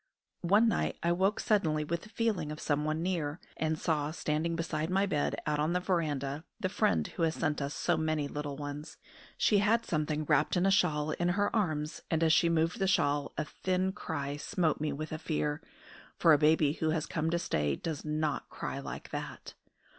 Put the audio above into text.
One night I woke suddenly with the feeling of someone near, and saw, standing beside my bed out on the verandah, the friend who has sent us so many little ones. She had something wrapped in a shawl in her arms, and as she moved the shawl a thin cry smote me with a fear, for a baby who has come to stay does not cry like that.